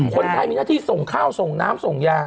คนไทยมีหน้าที่ส่งข้าวส่งน้ำส่งยา